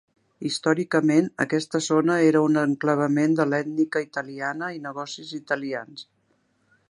Històricament aquesta zona era un enclavament de l'ètnica italiana i negocis italians.